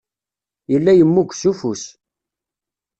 Yella yemmug s ufus.